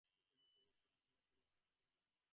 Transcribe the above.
গত বছর এই সময়ে ঠান্ডা ছিলো আর এখন গরম।